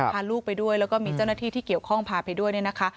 พาลูกไปด้วยแล้วก็มีเจ้าหน้าที่ที่เกี่ยวข้องพาไปด้วยเนี่ยนะคะ